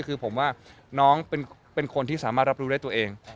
คือผมว่าน้องเป็นคนที่สามารถรับรู้ได้ตัวเอง